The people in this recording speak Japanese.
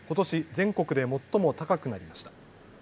全国で最も高くなりました。